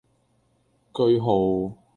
句號